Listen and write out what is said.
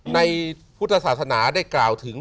ในพุทธศาสนาได้กล่าวถึง